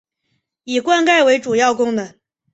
以灌溉为主要功能。